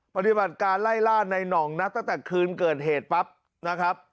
ปฏิบัติการไล่ล่าในหน่องนะตั้งแต่คืนเกิดเหตุปั๊บนะครับ